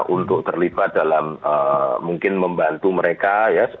untuk terlibat dalam mungkin membantu mereka ya